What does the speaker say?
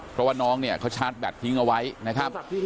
เพราะว่าน้องเนี่ยเขาชาร์จแบตทิ้งเอาไว้นะครับ